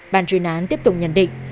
bàn truyền án tiếp tục nhận định